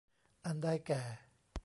อันได้แก่